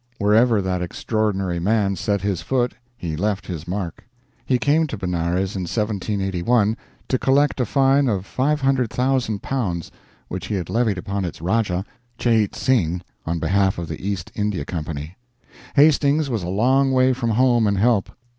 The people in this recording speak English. Wherever that extraordinary man set his foot, he left his mark. He came to Benares in 1781 to collect a fine of L500,000 which he had levied upon its Rajah, Cheit Singh, on behalf of the East India Company. Hastings was a long way from home and help.